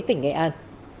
tỉnh nghệ an